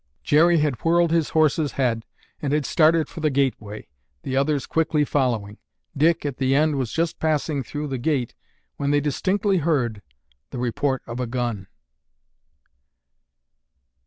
Jerry had whirled his horse's head and had started for the gateway, the others quickly following. Dick, at the end, was just passing through the gate when they distinctly heard the report of a gun.